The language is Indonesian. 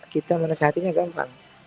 kita menasihatinya gampang